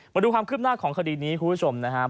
มาดูความคืบหน้าของคดีนี้คุณผู้ชมนะครับ